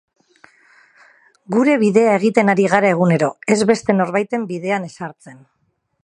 Gure bidea egiten ari gara egunero, ez beste norbaiten bidean ezartzen.